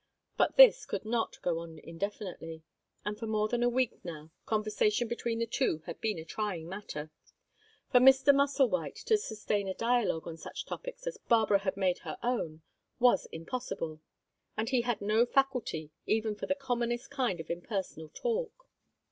But this could not go on indefinitely, and for more than a week now conversation between the two had been a trying matter. For Mr. Musselwhite to sustain a dialogue on such topics as Barbara had made her own was impossible, and he had no faculty even for the commonest kind of impersonal talk.